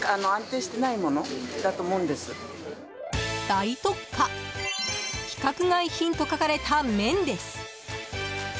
大特価規格外品と書かれた麺です。